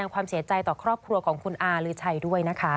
ความเสียใจต่อครอบครัวของคุณอาลือชัยด้วยนะคะ